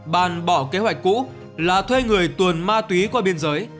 bàn bỏ kế hoạch cũ là thuê người tuồn ma túy qua biên giới